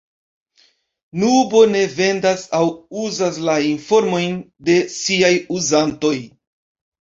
Nubo ne vendas aŭ uzas la informojn de siaj uzantoj.